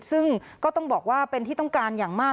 ซึ่งก็ต้องบอกว่าเป็นที่ต้องการอย่างมาก